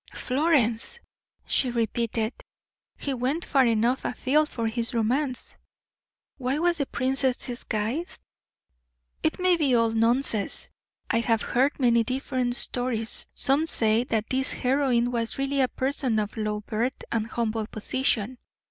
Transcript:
"Florence," she repeated; "he went far enough afield for his romance. Why was the princess disguised?" "It may be all nonsense. I have heard many different stories; some say that his heroine was really a person of low birth and humble position.